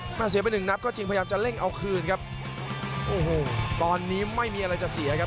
แต่ว่าเสียไปหนึ่งหัวก็ซึมพยายามเล่นคุณไหว้ครับโอ้โหตอนนี้ไม่มีอะไรจะเสียครับ